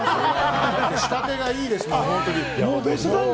仕立てがいいですからね。